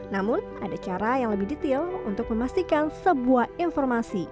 namun ada cara yang lebih detail untuk memastikan sebuah informasi